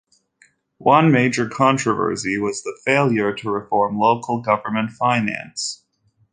One major controversy was the failure to reform local government finance.